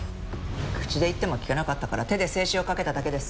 口で言っても聞かなかったから手で制止をかけただけです。